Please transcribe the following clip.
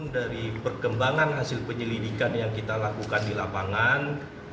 dari perkembangan hasil penyelidikan yang kita lakukan di lapangan